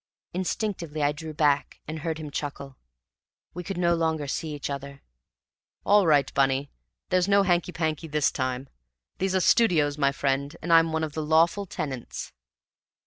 Instinctively I drew back and heard him chuckle. We could no longer see each other. "All right, Bunny! There's no hanky panky this time. These are studios, my friend, and I'm one of the lawful tenants."